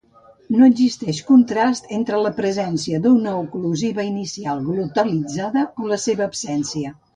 No existeix contrast entre la presència d'una oclusiva inicial glotalitzada o la seva absència.